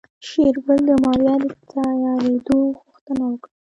شېرګل د ماريا د تيارېدو غوښتنه وکړه.